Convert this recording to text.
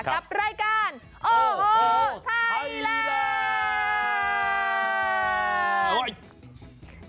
กับรายการโอ้โหไทยแลนด์